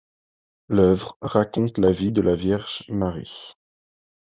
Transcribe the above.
L'œuvre raconte la vie de la vierge Marie.